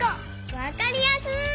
わかりやすい！